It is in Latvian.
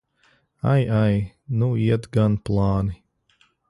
Ai, ai! Nu iet gan plāni!